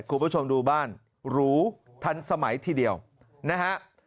คุณผู้ชมดูบ้านหรูทันสมัยทีเดียวนะฮะ